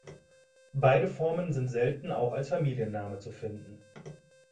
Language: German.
Beide Formen sind selten auch als Familienname zu finden.